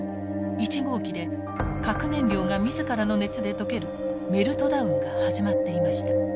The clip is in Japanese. １号機で核燃料が自らの熱で溶けるメルトダウンが始まっていました。